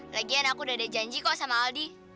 lagian aku udah ada janji kok sama aldi